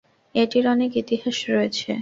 এটির অনেক ইতিহাস রয়েছে।